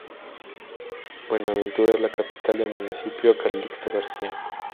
Buenaventura es la capital del Municipio Calixto García.